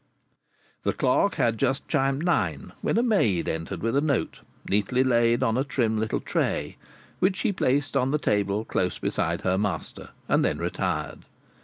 The clock had just chimed nine when a maid entered with a note, neatly laid on a trim little tray, which she placed on the table close beside her master, and then retired.